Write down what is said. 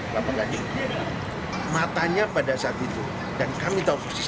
matanya pada saat itu dan kami tahu persis